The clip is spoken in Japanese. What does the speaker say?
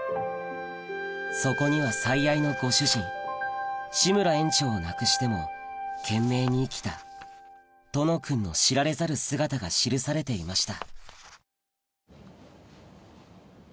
そこには最愛のご主人志村園長を亡くしても懸命に生きた殿くんの知られざる姿が記されていました